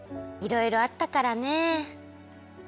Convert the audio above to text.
いろいろあったからねえ。